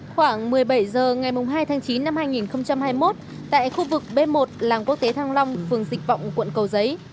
khoảng một mươi bảy h ngày hai tháng chín năm hai nghìn hai mươi một tại khu vực b một làng quốc tế thăng long phường dịch vọng quận cầu giấy